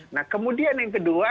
nah kemudian yang kedua